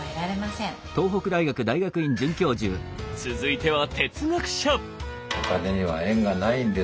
続いては哲学者！